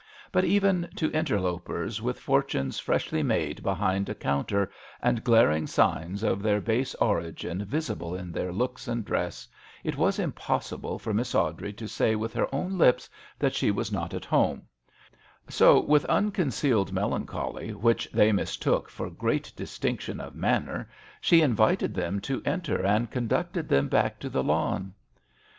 But even to interlopers with fortunes freshly made 1 86 MISS AWDREY AT HOME. behind a counter and glaring signs of their base origin visible in their looks and dress, it was impossible for Miss Awdrey to say with her own lips that she was not at home ; so, with unconcealed melancholy which they mistook for great distinction of manner, she invited them to enter and conducted them back to the lawn.